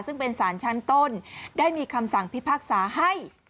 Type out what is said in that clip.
ซึ่งเป็นสารชั้นต้นได้มีคำสั่งพิพากษาให้